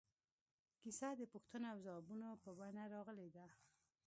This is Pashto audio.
کیسه د پوښتنو او ځوابونو په بڼه راغلې ده.